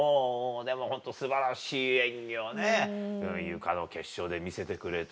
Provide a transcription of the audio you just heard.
でもホント素晴らしい演技をねゆかの決勝で見せてくれて。